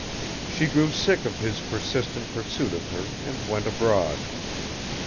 She grew sick of his persistent pursuit of her and went abroad.